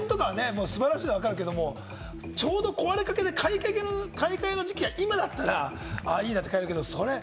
家電とかは素晴らしいの分かるけれど、ちょうど壊れかけで買い替えの時期が今だったら、いいなって買えるけれども。